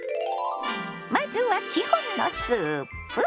まずは基本のスープ？